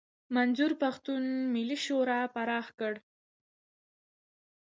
منظور پښتون ملي شعور پراخ کړ.